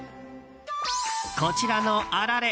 こちらのあられ。